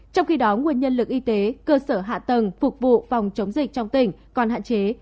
trong khi đó nguồn nhân lực y tế cơ sở hạ tầng phục vụ phòng chống dịch trong tỉnh còn hạn chế